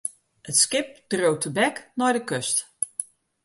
It skip dreau tebek nei de kust.